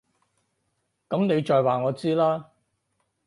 噉你再話我知啦